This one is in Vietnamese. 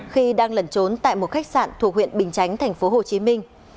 khi đang lẩn trốn tại một khách sạn thuộc huyện bình chánh thành phố hồ chí minh